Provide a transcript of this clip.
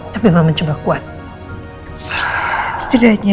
tapi mau mencoba kuat setidaknya